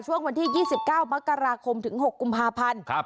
วันที่๒๙มกราคมถึง๖กุมภาพันธ์